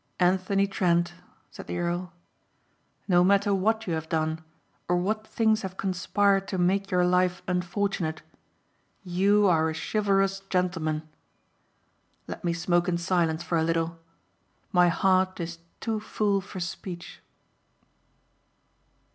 "Anthony Trent," said the earl, "No matter what you have done or what things have conspired to make your life unfortunate, you are a chivalrous gentleman. Let me smoke in silence for a little. My heart is too full for speech."